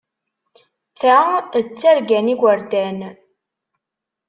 Ta d targa n yigerdan.